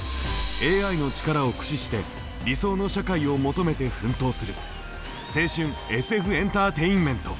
ＡＩの力を駆使して理想の社会を求めて奮闘する青春ＳＦエンターテインメント！